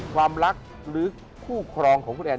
ความรักหรือคู่ครองของคุณแอน